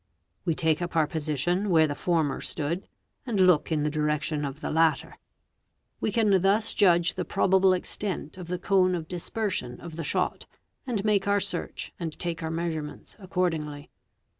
We take up our position where the tmer stood, and look in the direction of the latter; we can thus judge 1e probable extent of the cone of dispersion of the shot, and make our 438 | WEAPONS search and take our measurements accordingly.